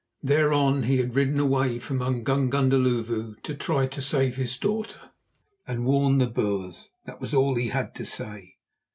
Thereon he had ridden away from Umgungundhlovu to try to save his daughter and warn the Boers. That was all he had to say.